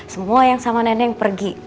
semua yang sama nenek pergi